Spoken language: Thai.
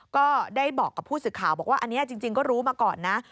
ก็ได้บอกกับผู้สื่อข่าวบอกว่าอันนี้จริงก็รู้มาก่อนนะ